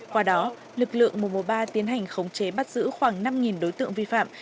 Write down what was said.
qua đó lực lượng mùa mùa ba tiến hành khống chế bắt giữ khoảng năm đối tượng vi phạm